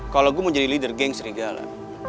kalau gue mau jadi leader geng serigala